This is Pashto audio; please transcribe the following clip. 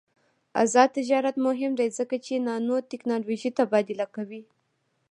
آزاد تجارت مهم دی ځکه چې نانوټیکنالوژي تبادله کوي.